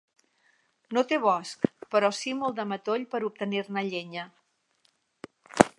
No té bosc, però sí molt de matoll per obtenir-ne llenya.